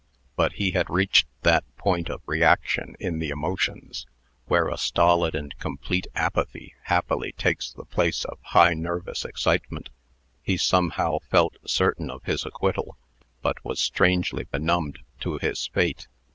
But he had reached that point of reaction in the emotions, where a stolid and complete apathy happily takes the place of high nervous excitement. He somehow felt certain of his acquittal, but was strangely benumbed to his fate.